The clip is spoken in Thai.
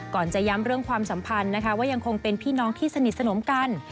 จะย้ำเรื่องความสัมพันธ์นะคะว่ายังคงเป็นพี่น้องที่สนิทสนมกัน